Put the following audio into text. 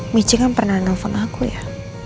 michi kan pernah nelfon aku ya